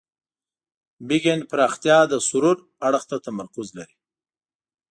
بیک اینډ پراختیا د سرور اړخ ته تمرکز لري.